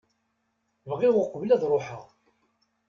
Bɣiɣ uqbel ad ruḥeɣ.